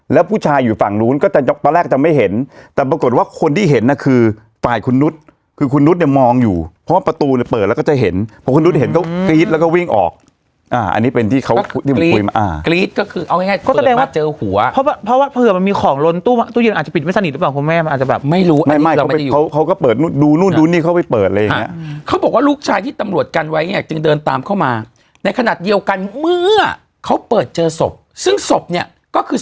แล้วผู้ชายอยู่ฝั่งนู้นก็จะยกปะแรกจะไม่เห็นแต่ปรากฏว่าคนที่เห็นน่ะคือฝ่ายคุณนุษย์คือคุณนุษย์เนี้ยมองอยู่เพราะว่าประตูเนี้ยเปิดแล้วก็จะเห็นเพราะคุณนุษย์เห็นเขาก็กรี๊ดแล้วก็วิ่งออกอ่าอันนี้เป็นที่เขาที่มันคุยมาอ่ากรี๊ดก็คือเอาให้เจอหัวเพราะว่าเพราะว่ามันมีของลนตู้ตู้เย็